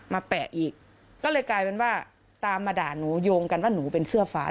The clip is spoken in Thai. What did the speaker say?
แปะอีกก็เลยกลายเป็นว่าตามมาด่าหนูโยงกันว่าหนูเป็นเสื้อฟ้า